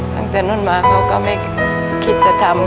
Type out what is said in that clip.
ตั้งแต่นู้นมาเขาก็ไม่คิดจะทำ